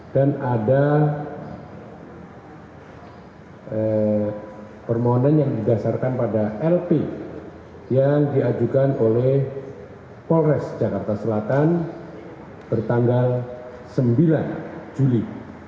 dan ada permohonan yang digasarkan pada lp yang diajukan oleh polres jakarta selatan bertanggal sembilan juli